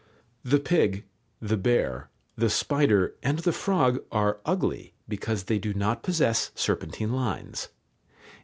The pig, the bear, the spider, and the frog are ugly, because they do not possess serpentine lines.